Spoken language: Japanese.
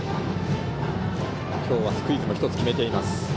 今日はスクイズも１つ決めています。